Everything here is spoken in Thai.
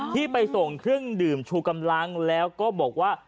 ที่ไปส่งเครื่องดื่มชูกำลังแล้วก็บอกว่า